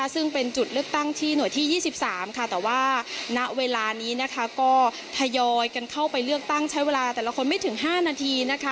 ซึ่งเป็นจุดเลือกตั้งที่หน่วยที่๒๓ค่ะแต่ว่าณเวลานี้นะคะก็ทยอยกันเข้าไปเลือกตั้งใช้เวลาแต่ละคนไม่ถึง๕นาทีนะคะ